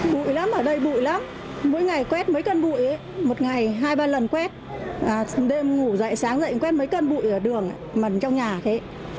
bụi lắm ở đây bụi lắm mỗi ngày quét mấy cân bụi một ngày hai ba lần quét đêm ngủ dậy sáng dậy cũng quét mấy cân bụi ở đường mần trong nhà thế